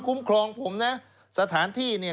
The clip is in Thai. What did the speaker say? คุ้มครองผมนะสถานที่เนี่ย